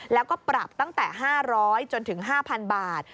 แล้วก็ปรับตั้งแต่๕๐๐จนถึง๕๐๐๐บาท